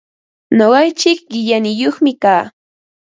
Nuqaichik qillaniyuqmi kaa.